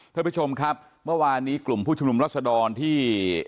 ท่านผู้ชมครับเมื่อวานนี้กลุ่มผู้ชุมนุมรัศดรที่